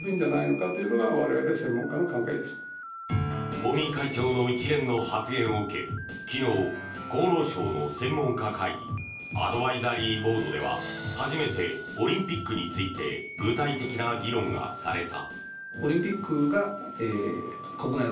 尾身会長の一連の発言を受け昨日、厚労省の専門家会議アドバイザリーボードでは初めてオリンピックについて具体的な議論がされた。